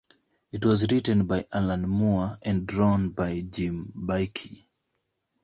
It was written by Alan Moore and drawn by Jim Baikie.